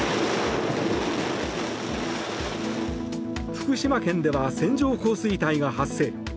福島県では線状降水帯が発生。